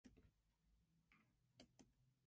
Thanks for your years of dedicated support.